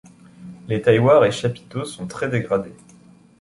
Les tailloirs et chapiteaux sont très dégradés.